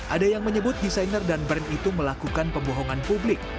ada yang menyebut desainer dan brand itu melakukan pembohongan publik